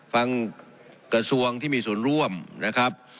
กระทรวงที่มีส่วนร่วมนะครับ